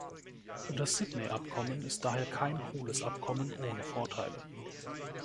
Das Sydney-Abkommen ist daher kein hohles Abkommen ohne Vorteile.